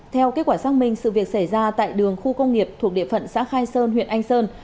theo kết quả xác minh sự việc xảy ra tại đường khu công nghiệp thuộc địa phận xã khai sơn huyện anh sơn